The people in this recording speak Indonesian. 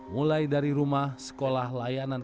mulai dari rumah sekolah layanan